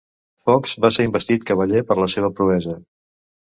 Fuchs va ser investit cavaller per la seva proesa.